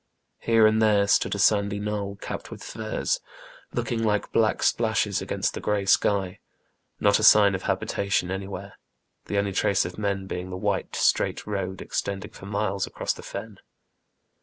Here and there stood a sandy knoll, capped with firs, looking like black splashes against the grey sky ; not a sign of habitation anywhere; the only trace of men being the white, straight road extending for miles across the fen.